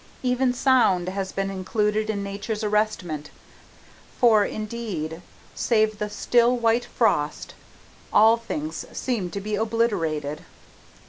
Even sound has been included in Nature's arrestment, for, indeed, save the still white frost, all things seem to be obliterated.